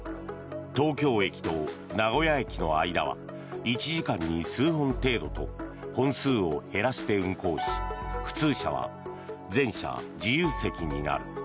東京駅と名古屋駅の間は１時間に数本程度と本数を減らして運行し普通車は全車自由席になる。